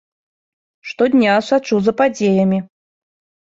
Штодня сачу за падзеямі.